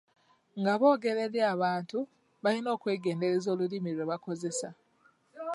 Nga boogera eri abantu, balina okwegendereza olulimi lwe bakozesa.